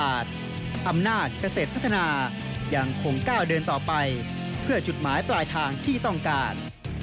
อำนาจเกษตรพัฒนายังคงก้าวเดินต่อไปเพื่อจุดหมายปลายทางที่ต้องการ